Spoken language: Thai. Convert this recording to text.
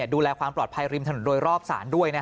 ดูแลความปลอดภัยริมถนนโดยรอบศาลด้วย